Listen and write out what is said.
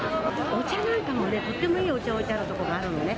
お茶なんかもね、とってもいいお茶が置いてあるとこがあるのね。